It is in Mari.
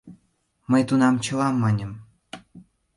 Мый тунам чыла маньым.